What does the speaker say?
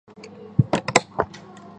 应该不会太难